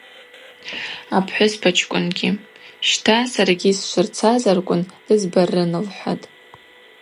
Апхӏвыспачкӏвынгьи: Щта, саргьи сшвырцазарквын дызбарын, – лхӏватӏ.